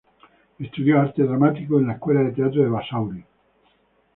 Estudió arte dramático en la Escuela de Teatro de Basauri.